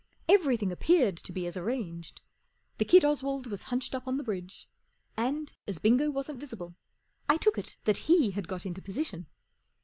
Everything appeared to be as arranged. The kid Oswald was hunched up on the bridge: and, as Bingo wasn't visible, I took it that ffpj bad got into position.